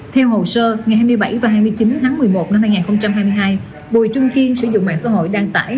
theo hồ sơ ngày hai mươi bảy và hai mươi chín tháng một mươi một năm hai nghìn hai mươi hai bùi trung kiên sử dụng mạng xã hội đăng tải